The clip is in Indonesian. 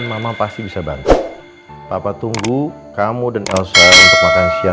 sampai jumpa di video selanjutnya